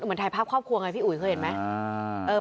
เหมือนถ่ายภาพครอบครัวไงพี่อุ๋ยเคยเห็นไหม